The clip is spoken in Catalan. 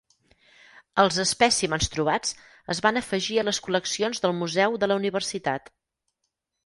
Els espècimens trobats es van afegir a les col·leccions del museu de la universitat.